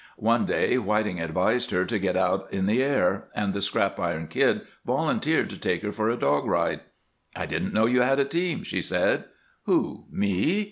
One day Whiting advised her to get out in the air, and the Scrap Iron Kid volunteered to take her for a dog ride. "I didn't know you had a team," she said. "Who? Me?